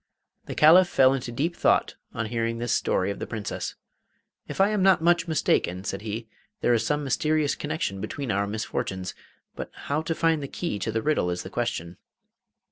The Caliph fell into deep thought on hearing this story of the Princess. 'If I am not much mistaken,' said he, 'there is some mysterious connection between our misfortunes, but how to find the key to the riddle is the question.